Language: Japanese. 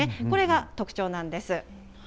これが特徴なんです。